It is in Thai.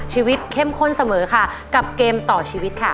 เข้มข้นเสมอค่ะกับเกมต่อชีวิตค่ะ